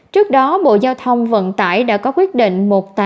trước đó bộ giao thông vận tải đã có quyết định một nghìn tám trăm ba mươi chín